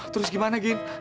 terus gimana gin